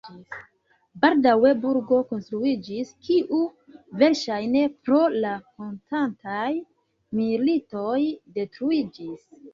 Baldaŭe burgo konstruiĝis, kiu verŝajne pro la konstantaj militoj detruiĝis.